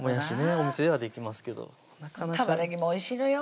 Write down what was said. お店ではできますけど玉ねぎもおいしいのよ